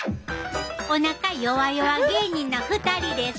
おなかよわよわ芸人の２人です！